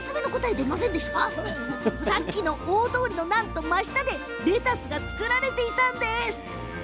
さっきの大通りの真下でレタスが作られていたんです。